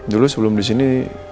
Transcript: dulu sebelum disini